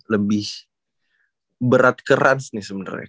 lebih berat kerans nih sebenarnya